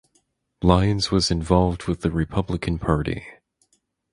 Lyons was involved with the Republican Party.